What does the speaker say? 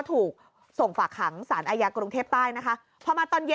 ถูกส่งฝากขังสารอาญากรุงเทพใต้นะคะพอมาตอนเย็น